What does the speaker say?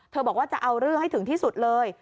บอกว่าจะเอาเรื่องให้ถึงที่สุดเลย